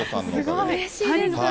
うれしいです。